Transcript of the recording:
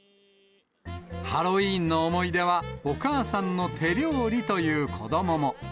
ハロウィーンの思い出は、お母さんの手料理という子どもも。